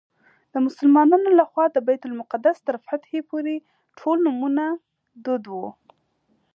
د مسلمانانو له خوا د بیت المقدس تر فتحې پورې ټول نومونه دود وو.